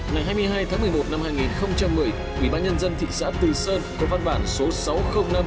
ngày hai mươi hai tháng một mươi một năm hai nghìn một mươi ủy ban nhân dân thị xã từ sơn có văn bản số sáu trăm linh năm